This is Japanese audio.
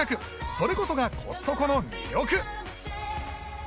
それこそがコストコの魅力